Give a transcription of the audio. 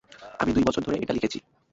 আমি দুই বছর ধরে এটা লিখেছি।